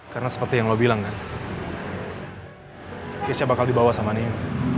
karena seperti yang lo bilang kan keisha bakal dibawa sama nia